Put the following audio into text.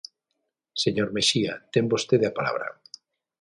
Señor Mexía, ten vostede a palabra.